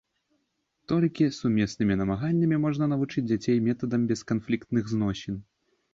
Толькі сумеснымі намаганнямі можна навучыць дзяцей метадам бесканфліктных зносін.